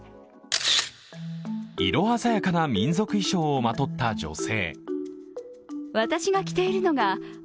色鮮やかな民族衣装をまとった女性。